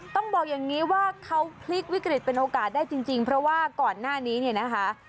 ต้องบอกอย่างนี้ว่าเขาพลิกวิกฤตเป็นโอกาสได้จริงเพราะว่าก่อนหน้านี้เนี่ยนะคะ